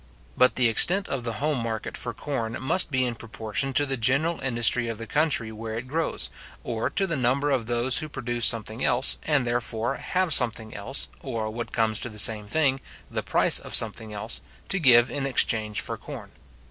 But the extent of the home market for corn must be in proportion to the general industry of the country where it grows, or to the number of those who produce something else, and therefore, have something else, or, what comes to the same thing, the price of something else, to give in exchange for corn.